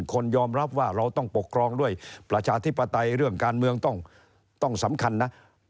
คนยอมรับว่าเราต้องปกครองด้วยประชาธิปไตยเรื่องการเมืองต้องสำคัญนะ